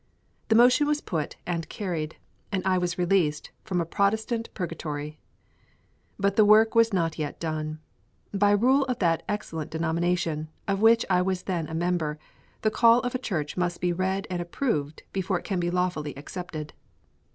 The motion was put and carried, and I was released from a Protestant purgatory. But the work was not yet done. By rule of that excellent denomination, of which I was then a member, the call of a church must be read and approved before it can be lawfully accepted.